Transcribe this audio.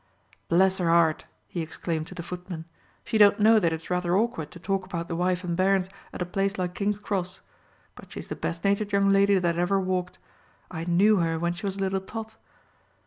"Bless her 'eart," he exclaimed to the footman, "she don't know that it's rather awkward to talk about the wife and bairns at a place like King's Cross; but she's the best natured young lady that ever walked. I knew her when she was a little tot."